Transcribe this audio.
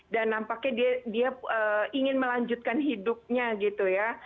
dan nampaknya dia ingin melanjutkan hidupnya gitu ya